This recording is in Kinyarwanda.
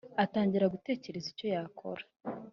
atangira gutekereza icyo yakora